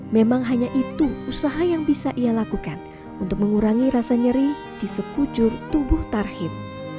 memang hanya itu usaha yang bisa ia lakukan untuk mengurangi rasa nyeri di sekujur tubuh tarhim